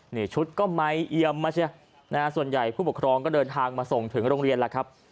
นี่ชุดก็ไมค์เอียมมาเชียนะฮะส่วนใหญ่ผู้ปกครองก็เดินทางมาส่งถึงโรงเรียนแล้วครับ